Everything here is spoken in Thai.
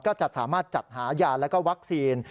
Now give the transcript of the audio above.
ก็จะสามารถจัดหายาและวัคซีน